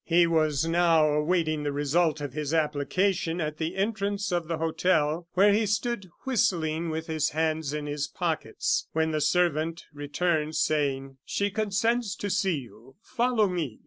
He was now awaiting the result of his application at the entrance of the hotel, where he stood whistling, with his hands in his pockets, when the servant returned, saying: "She consents to see you; follow me."